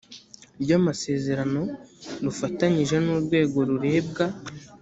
ry amasezerano rufatanyije n urwego rurebwa